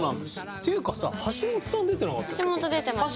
っていうかさ橋本さん出てなかったっけ？